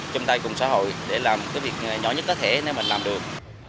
chung tay cùng xã hội để làm việc nhỏ nhất có thể để mình làm được